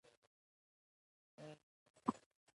د تعلیق د دورې په صورت کې انتظار وي.